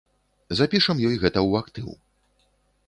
Запішам ёй гэта ў актыў.